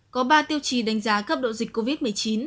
có ba tiêu chí đánh giá cấp độ dịch covid một mươi chín